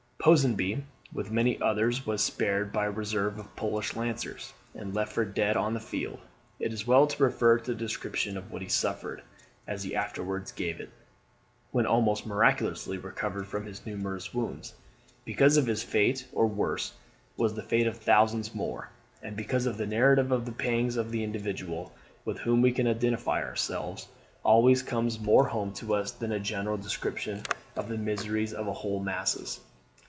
Ponsonby, with many others, was speared by a reserve of Polish lancers, and left for dead on the field. It is well to refer to the description of what he suffered (as he afterwards gave it, when almost miraculously recovered from his numerous wounds), because his fate, or worse, was the fate of thousands more; and because the narrative of the pangs of an individual, with whom we can identify ourselves, always comes more home to us than a general description of the miseries of whole masses.